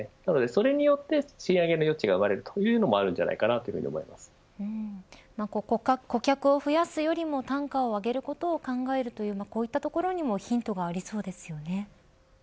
それによって賃上げの余地が生まれるというのも顧客を増やすよりも単価を上げることを考えるというこういったところにもそうですね。